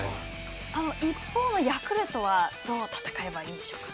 一方でヤクルトは、どう戦えばいいんでしょうか。